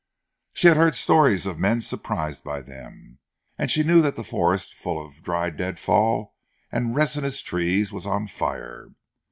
She had heard stories of men surprised by them, and she knew that the forest full of dry deadfall and resinous trees, was on fire.